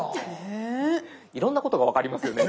いろんなことが分かりますよね